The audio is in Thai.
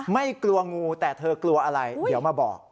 ไม่กลัวงูแต่เธอกลัวอะไรเดี๋ยวมาบอก